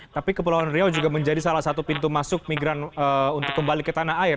tapi kepulauan riau juga menjadi salah satu pintu masuk migran untuk kembali ke tanah air